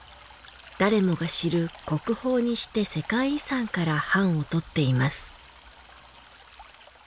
誰もが知る国宝にして世界遺産から範をとっています。